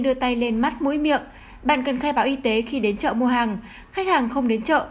đưa tay lên mắt mũi miệng bạn cần khai báo y tế khi đến chợ mua hàng khách hàng không đến chợ